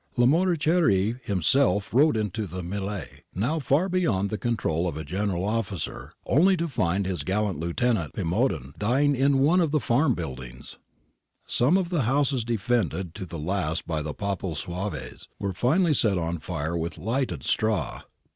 Lamoriciere himself rode into the mel^e, now far beyond the control of a General Officer, only to find his gallant lieutenant, Pimodan, dying in one of the farm buildings. Some of the houses, defended to the last by the Papal Zouaves, were finally set on fire with lighted straw.